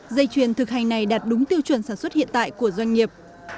dây chuyền thực hành này đạt đúng tiêu chuẩn sản xuất hiện tại của doanh nghiệp